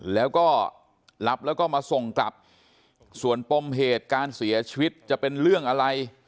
แล้วก็รับแล้วก็มาส่งกลับส่วนปมเหตุการเสียชีวิตจะเป็นเรื่องอะไร